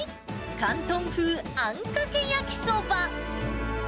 広東風あんかけ焼きそば。